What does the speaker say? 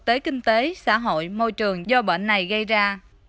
tới kinh tế xã hội môi trường do bệnh này gây ra